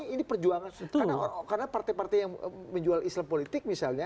ini perjuangan karena partai partai yang menjual islam politik misalnya